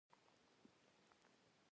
د کندهارۍ لهجې نوم لوېديځه لهجه هم دئ.